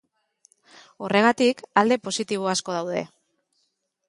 Horregatik, alde positibo asko daude.